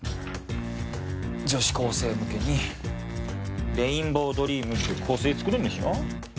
女子高生向けにレインボードリームっていう香水作るんでしょ？